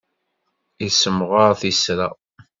Yessemɣaṛ tisra.